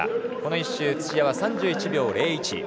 この１周、土屋は３１秒０１。